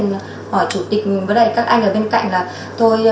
hỏi chủ tịch với các anh ở bên cạnh